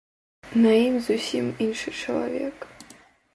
На ім зусім іншы чалавек.